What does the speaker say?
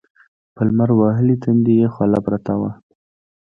په لمر وهلي تندي يې خوله پرته وه.